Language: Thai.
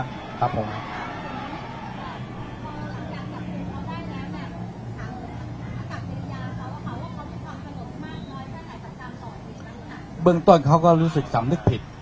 นิเวอร์ตอนด้วยเบื้องฝนต้นก็รู้สึกสำนึกผิดนะครับ